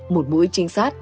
một buổi trinh sát